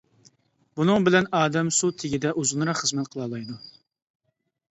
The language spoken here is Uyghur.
بۇنىڭ بىلەن ئادەم سۇ تېگىدە ئۇزۇنراق خىزمەت قىلالايدۇ.